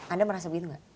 anda merasa begitu nggak